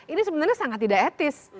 ini sebenarnya sangat tidak etis